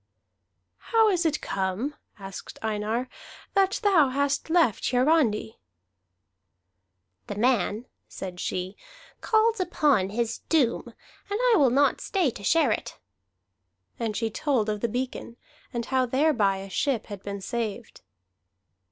"How is it come," asked Einar, "that thou hast left Hiarandi?" "The man," said she, "calls upon his doom, and I will not stay to share it." And she told of the beacon, and how thereby a ship had been saved.